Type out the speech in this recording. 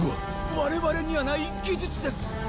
我々にはない技術です！